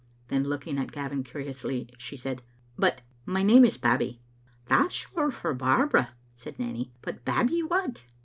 Then, looking at Gavin curiously, she said, " But my name is Babbie." " That's short for Barbara," said Nanny ;" but Babbie what?"